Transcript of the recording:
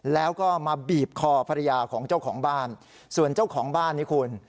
แล้วก็มาบีบคอภรรยาของเจ้าของบ้านส่วนเจ้าของบ้านนี่คุณ